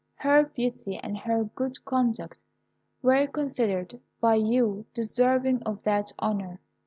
Her beauty and her good conduct were considered by you deserving of that honour.